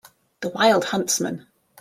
The wild huntsman.